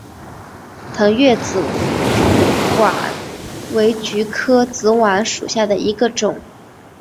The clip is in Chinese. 腾越紫菀为菊科紫菀属下的一个种。